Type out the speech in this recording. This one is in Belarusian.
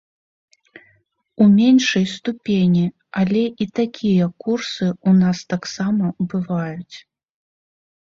У меншай ступені, але і такія курсы ў нас таксама бываюць.